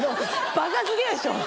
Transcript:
バカ過ぎるでしょ。